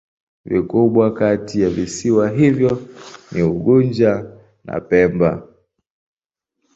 Vikubwa kati ya visiwa hivyo ni Unguja na Pemba.